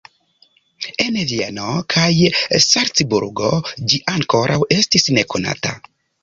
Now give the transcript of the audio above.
En Vieno kaj Salcburgo ĝi ankoraŭ estis nekonata.